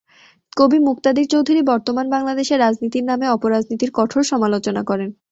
কবি মুকতাদির চৌধুরী বর্তমান বাংলাদেশে রাজনীতির নামে অপরাজনীতির কঠোর সমালোচনা করেন।